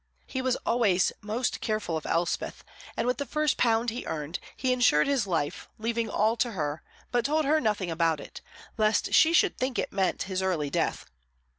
He was always most careful of Elspeth, and with the first pound he earned he insured his life, leaving all to her, but told her nothing about it, lest she should think it meant his early death.